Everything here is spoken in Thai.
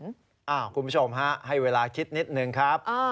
คุณผู้ชมฮะให้เวลาคิดนิดนึงครับ